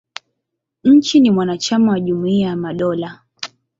Nchi ni mwanachama wa Jumuia ya Madola.